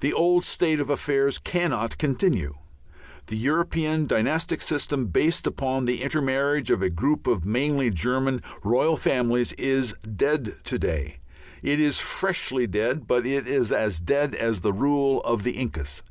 The old state of affairs cannot continue. The European dynastic system, based upon the intermarriage of a group of mainly German royal families, is dead to day; it is freshly dead, but it is as dead as the rule of the Incas.